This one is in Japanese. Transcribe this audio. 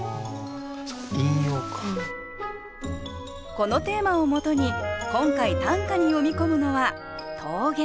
このテーマをもとに今回短歌に詠み込むのは「峠」。